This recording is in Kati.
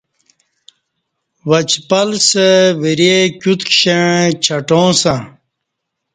وچپلسہ وری کیوت کشنݩع چٹاں سہ